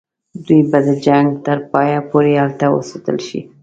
دوی به د جنګ تر پایه پوري هلته وساتل شي.